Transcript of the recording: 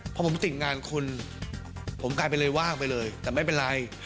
พอผมติดงานคุณผมกลายเป็นเลยว่างไปเลยแต่ไม่เป็นไร